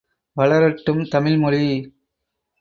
வளரட்டும் தமிழ் மொழி!